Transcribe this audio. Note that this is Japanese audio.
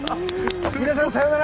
皆さん、さよなら！